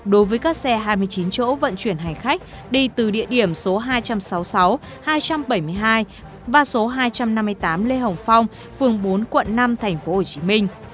đối với các xe hai mươi chín chỗ vận chuyển hành khách đi từ địa điểm số hai trăm sáu mươi sáu hai trăm bảy mươi hai và số hai trăm năm mươi tám lê hồng phong phường bốn quận năm tp hcm